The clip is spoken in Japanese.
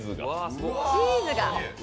チーズが。